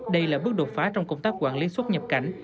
đây là bước đột phá trong công tác quản lý xuất nhập cảnh